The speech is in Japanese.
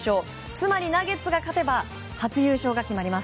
つまりナゲッツが勝てば初優勝が決まります。